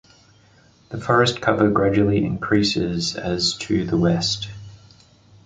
The forest cover gradually increases as to the west.